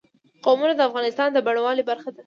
قومونه د افغانستان د بڼوالۍ برخه ده.